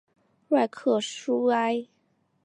瑞克叙埃。